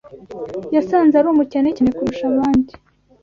Yasanze ari umukene cyane kurusha abandi